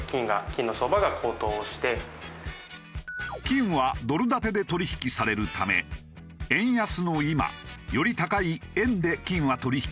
金はドル建てで取引されるため円安の今より高い円で金は取引されるのだ。